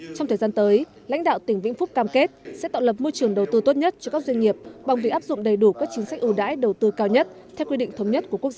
trong thời gian tới lãnh đạo tỉnh vĩnh phúc cam kết sẽ tạo lập môi trường đầu tư tốt nhất cho các doanh nghiệp bằng việc áp dụng đầy đủ các chính sách ưu đãi đầu tư cao nhất theo quy định thống nhất của quốc gia